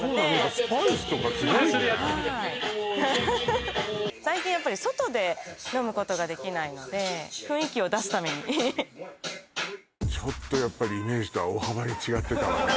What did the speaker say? スパイスとかすごいね最近やっぱり外で飲むことができないので雰囲気を出すためにちょっとやっぱりイメージとは大幅に違ってたわね